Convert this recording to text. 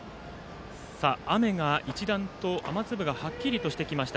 雨が一段と雨粒がはっきりとしてきました